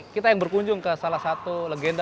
kita yang berkunjung ke salah satu legenda